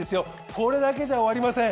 これだけじゃ終わりません。